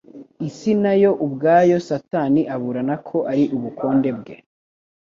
Isi nayo ubwayo Satani aburana ko ari ubukonde bwe,